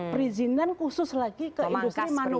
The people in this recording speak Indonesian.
perizinan khusus lagi ke industri manual